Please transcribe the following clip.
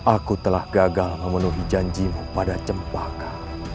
aku telah gagal memenuhi janji mu pada cempaka